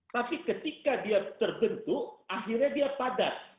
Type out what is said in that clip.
tapi ketika dia terbentuk akhirnya dia padat